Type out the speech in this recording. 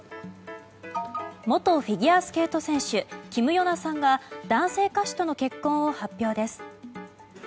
元フィギュアスケート選手キム・ヨナさんが男性歌手との結婚を発表です。